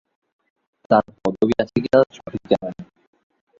তার পদবী আছে কিনা সঠিক জানা নেই।